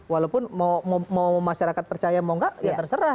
walaupun mau masyarakat percaya mau nggak ya terserah